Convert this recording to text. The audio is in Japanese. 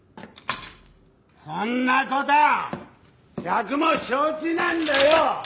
そんな事は百も承知なんだよ！